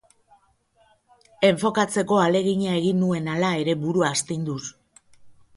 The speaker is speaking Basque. Enfokatzeko ahalegina egin nuen hala ere, burua astinduz.